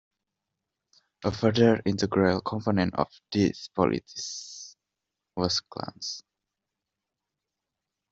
A further integral component of these polities was clans.